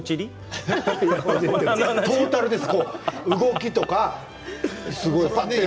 トータルです、動きとか。